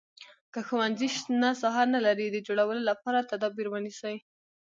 که ښوونځی شنه ساحه نه لري د جوړولو لپاره تدابیر ونیسئ.